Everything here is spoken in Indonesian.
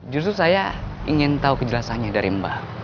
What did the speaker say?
justru saya ingin tahu kejelasannya dari mbak